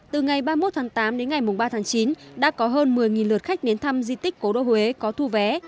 hai mươi một tháng tám đến ngày ba tháng chín đã có hơn một mươi lượt khách đến thăm di tích cổ đô huế có thu vé